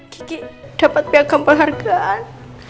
kiki dapat pihak kampung hargaan